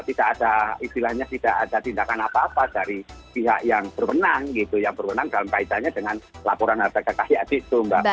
tidak ada istilahnya tidak ada tindakan apa apa dari pihak yang berwenang gitu yang berwenang dalam kaitannya dengan laporan harta kekayaan itu mbak